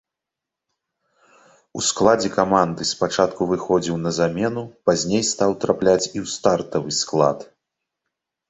У складзе каманды спачатку выхадзіў на замену, пазней стаў трапляць і ў стартавы склад.